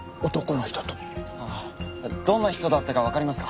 ああどんな人だったかわかりますか？